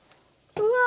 うわ！